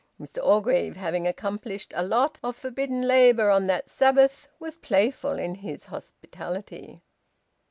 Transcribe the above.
Mr Orgreave, having accomplished a lot of forbidden labour on that Sabbath, was playful in his hospitality.